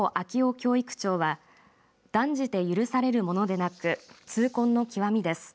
教育長は断じて許されるものでなく痛恨のきわみです。